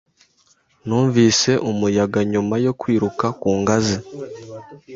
Numvise umuyaga nyuma yo kwiruka ku ngazi.